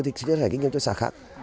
rồi thì chia sẻ kinh nghiệm cho xã khác